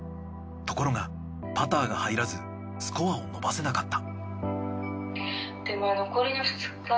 ところがパターが入らずスコアを伸ばせなかった。